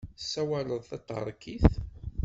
Tessawaleḍ taṭerkit?